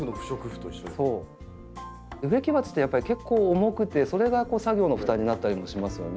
植木鉢ってやっぱり結構重くてそれが作業の負担になったりもしますよね。